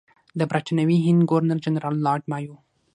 د برټانوي هند ګورنر جنرال لارډ مایو.